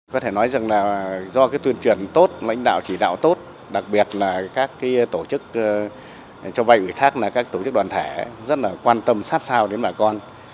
có thể nói rằng là do cái tuyên truyền tốt lãnh đạo chỉ đạo tốt đặc biệt là các tổ chức cho vay ủy thác là các tổ chức đoàn thể rất là quan tâm sát sao đến bà con